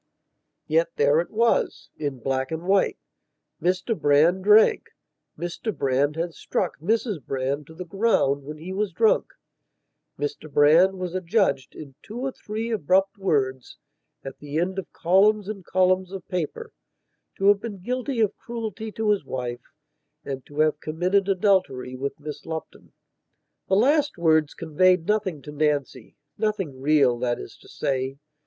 Yet there it wasin black and white. Mr Brand drank; Mr Brand had struck Mrs Brand to the ground when he was drunk. Mr Brand was adjudged, in two or three abrupt words, at the end of columns and columns of paper, to have been guilty of cruelty to his wife and to have committed adultery with Miss Lupton. The last words conveyed nothing to Nancynothing real, that is to say.